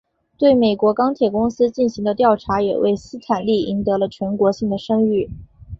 对美国钢铁公司进行的调查也为斯坦利赢得了全国性的声誉。